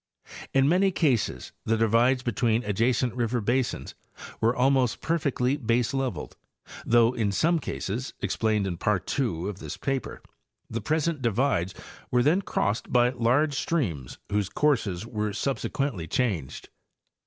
In many cases the divides between adjacent river basins were almost perfectly baseleveled, though in some cases (explained in Part IL of this paper) the present divides were then crossed by large streams whose courses were subsequently changed.